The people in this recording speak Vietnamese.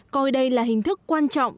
coi đây là hình thức quan trọng